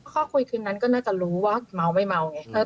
ข้อคุยคืนนั้นก็น่าจะรู้ว่าเมาไม่เมาไง